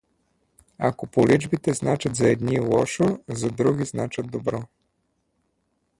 Ако поличбите значат за едни лошо, за други значат добро.